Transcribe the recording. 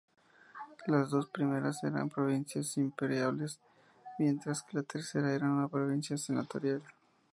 Las dos primeras eran provincias imperiales mientras que la tercera era una provincia senatorial.